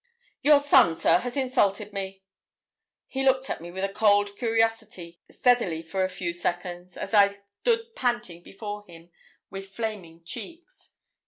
'Your son, sir, has insulted me.' He looked at me with a cold curiosity steadly for a few seconds, as I stood panting before him with flaming cheeks.